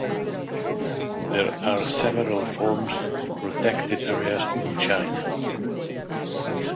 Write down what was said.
There are several forms of protected areas in China.